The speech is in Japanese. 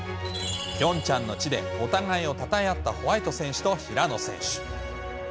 ピョンチャンの地で、お互いをたたえ合ったホワイト選手と平野選手。